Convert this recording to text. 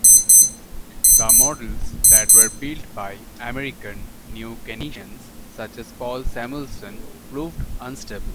The models that were built by American Neo-Keynesians such as Paul Samuelson proved unstable.